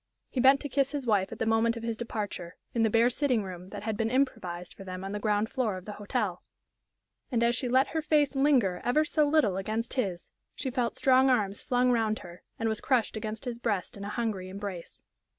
He bent to kiss his wife at the moment of his departure, in the bare sitting room that had been improvised for them on the ground floor of the hotel, and as she let her face linger ever so little against his she felt strong arms flung round her, and was crushed against his breast in a hungry embrace.